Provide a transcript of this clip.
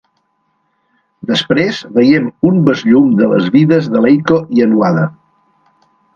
Després, veiem un besllum de les vides de l'Eiko i en Wada.